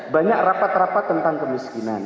banyak rapat rapat tentang kemiskinan